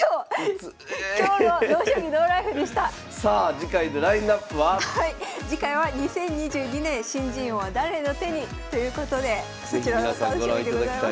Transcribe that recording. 次回は「２０２２年新人王は誰の手に⁉」ということでそちらも楽しみでございます。